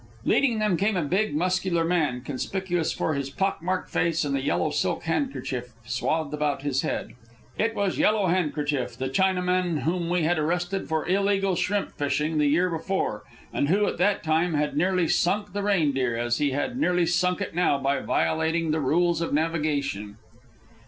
Leading them came a big, muscular man, conspicuous for his pock marked face and the yellow silk handkerchief swathed about his head. It was Yellow Handkerchief, the Chinaman whom we had arrested for illegal shrimp fishing the year before, and who, at that time, had nearly sunk the Reindeer, as he had nearly sunk it now by violating the rules of navigation.